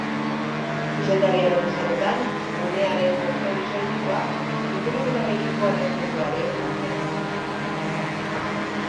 Zuzendariaren esanetan, gunearen konpromiso etikoak ingurumenarekiko errespetua ere barneratzen du.